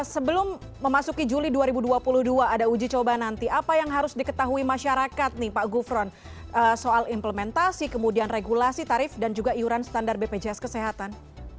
sebelum memasuki juli dua ribu dua puluh dua ada uji coba nanti apa yang harus diketahui masyarakat nih pak gufron soal implementasi kemudian regulasi tarif dan juga iuran standar bpjs kesehatan